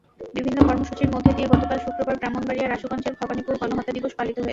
বিভিন্ন কর্মসূচির মধ্য দিয়ে গতকাল শুক্রবার ব্রাহ্মণবাড়িয়ার আশুগঞ্জের ভবানীপুর গণহত্যা দিবস পালিত হয়েছে।